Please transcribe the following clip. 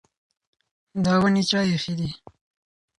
دا ونې چا ایښې دي؟